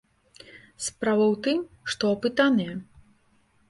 Справа ў тым, што апытаныя.